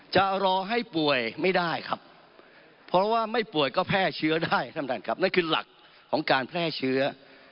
จะรอให้ป่วยไม่ได้ครับเพราะว่าไม่ป่วยก็แพร่เชื้อได้ท่านประธานครับนั่นคือหลักของการแพร่เชื้อ